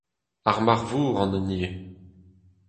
Ar Marvor an hini eo.